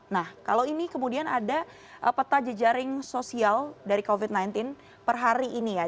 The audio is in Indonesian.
nah kalau ini kemudian ada peta jejaring sosial dari covid sembilan belas per hari ini ya